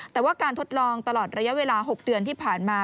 แต่ว่าการทดลองตลอดระยะเวลา๖เดือนที่ผ่านมา